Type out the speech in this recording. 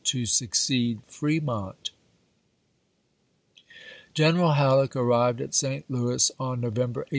to succeed Fremont. mi'." w!*ii. General Halleck arrived at St. Louis on Novem "i.'.